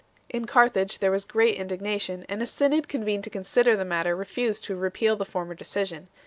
In Carthage there was great indig nation, and a synod convened to consider the matter refused to repeal the former decision 6